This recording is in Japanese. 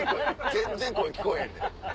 全然声聞こえへんで。